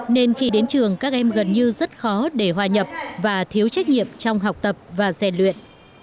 nên khi đến trường các em gần như rất khó để hòa nhập và thiếu trách nhiệm trong học tập và rèn luyện